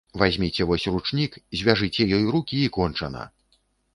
Вазьміце вось ручнік, звяжыце ёй рукі, і кончана.